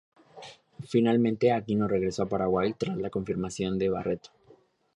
Finalmente, Aquino regresó a Paraguay tras la confirmación de Barreto.